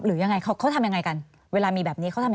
หรือยังไงเขาทำยังไงกันเวลามีแบบนี้เขาทำยังไง